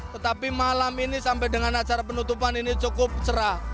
tetapi malam ini sampai dengan acara penutupan ini cukup cerah